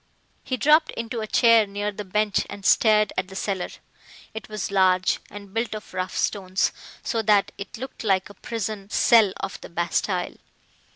He dropped into a chair near the bench and stared at the cellar. It was large, and built of rough stones, so that it looked like a prison cell of the Bastille.